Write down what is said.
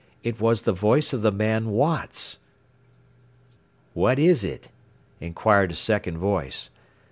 It was the voice of the man "Watts"! "What is it?" inquired a second voice.